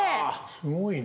すごいな。